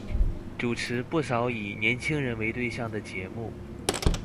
主持不少以年青人为对象的节目。